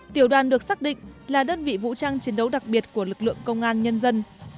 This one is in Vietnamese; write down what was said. tiểu đoàn được xác định là đơn vị vũ trang chiến đấu đặc biệt của lực lượng công an nhân dân